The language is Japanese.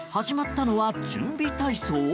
始まったのは準備体操？